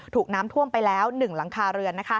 ถูกน้ำท่วมไปแล้ว๑หลังคาเรือน